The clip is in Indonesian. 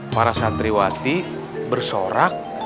para santriwati bersorak